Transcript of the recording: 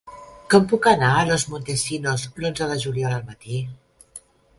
Com puc anar a Los Montesinos l'onze de juliol al matí?